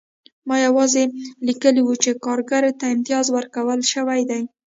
ما یوازې لیکلي وو چې کارګر ته امتیاز ورکړل شوی دی